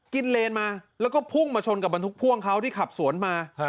เลนมาแล้วก็พุ่งมาชนกับบรรทุกพ่วงเขาที่ขับสวนมา